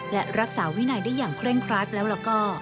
และรักษาวินัยได้อย่างเคร่งครัดแล้วก็